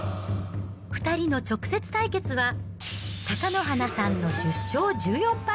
２人の直接対決は、貴乃花さんの１０勝１４敗。